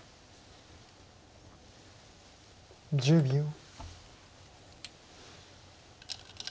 １０秒。